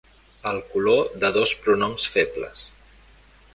El color de dos pronoms febles.